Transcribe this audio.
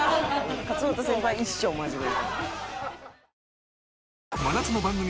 勝俣先輩は一生真面目。